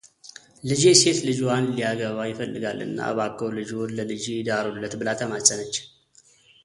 ልጄ ሴት ልጅዎን ሊያገባ ይፈልጋልና እባክዎ ልጅዎን ለልጄ ይዳሩለት ብላ ተማፀነች፡፡